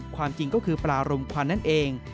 ความจริงก็คือปลารมควันนั่นเอง